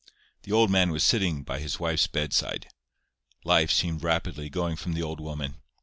The old man was sitting by his wife's bedside. Life seemed rapidly going from the old woman.